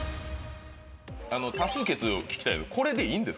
多数決を聞きたい。